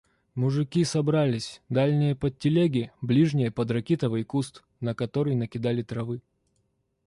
Мужики собрались — дальние под телеги, ближние — под ракитовый куст, на который накидали травы.